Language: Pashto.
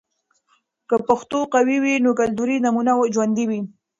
که پښتو قوي وي، نو کلتوري نمونه ژوندۍ وي.